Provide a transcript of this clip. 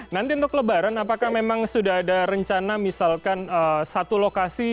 nanti untuk lebaran apakah memang sudah ada rencana misalkan satu lokasi